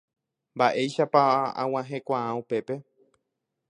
Mba'éichapa ag̃uahẽkuaa upépe.